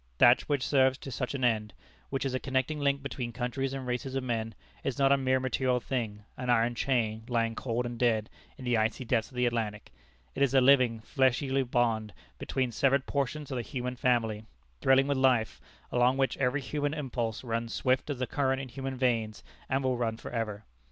That which serves to such an end; which is a connecting link between countries and races of men; is not a mere material thing, an iron chain, lying cold and dead in the icy depths of the Atlantic. It is a living, fleshly bond between severed portions of the human family, thrilling with life, along which every human impulse runs swift as the current in human veins, and will run for ever.